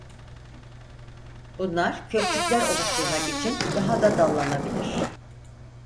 Bunlar kökçükler oluşturmak için daha da dallanabilir.